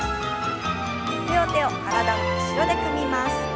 両手を体の後ろで組みます。